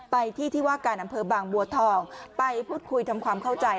ไปที่ที่ว่าการอำเภอบางบัวทองไปพูดคุยทำความเข้าใจ